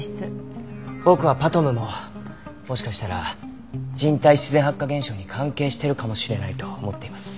僕はＰＡＴＭももしかしたら人体自然発火現象に関係してるかもしれないと思っています。